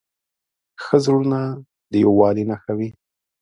ښه زړونه د یووالي نښه وي.